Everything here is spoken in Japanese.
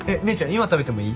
今食べてもいい？